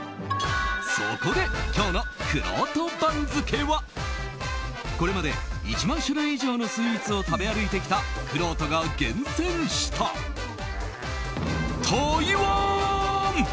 そこで、今日のくろうと番付はこれまで１万種類以上のスイーツを食べ歩いてきたくろうとが厳選した台湾！